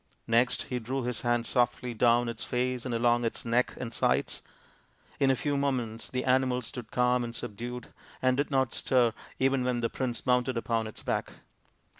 Next he drew his hand softly down its face and along its neck and sides. In a few moments the animal stood calm and subdued, and did not stir even when the prince mounted upon its back.